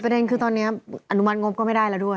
เด็นคือตอนนี้อนุมัติงบก็ไม่ได้แล้วด้วย